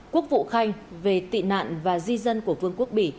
quốc vụ khanh về tị nạn và di dân của vương quốc bỉ